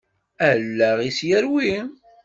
Allaɣ-is yerwi.